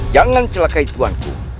jangan celakai tuanku